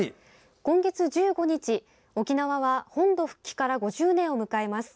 今月１５日、沖縄は本土復帰から５０年を迎えます。